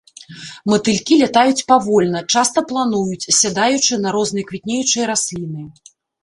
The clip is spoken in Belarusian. Матылькі лятаюць павольна, часта плануюць, сядаючы на розныя квітнеючыя расліны.